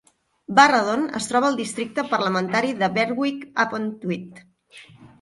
Burradon es troba al districte parlamentari de Berwick-upon-Tweed.